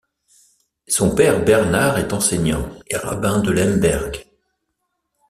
Son père Bernard est enseignant et rabbin de Lemberg.